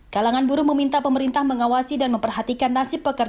kalangan buruh meminta pemerintah mengawasi dan mengatasi perusahaan yang telah diadakan